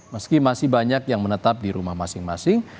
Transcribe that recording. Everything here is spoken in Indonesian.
meski masih banyak yang menetap di rumah masing masing